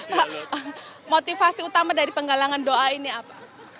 pak motivasi utama dari penggalangan doa ini apa